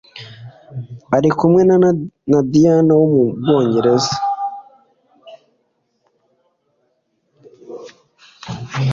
arikumwe na diana wo mu bwongereza